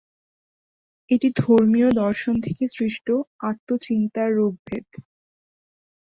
এটি ধর্মীয় দর্শন থেকে সৃষ্ট আত্ম চিন্তার রুপভেদ।